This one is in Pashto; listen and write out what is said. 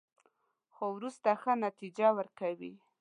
خو وروسته ښه نتیجه ورکوي.